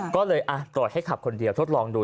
ก็เลยปล่อยให้ขับคนเดียวทดลองดู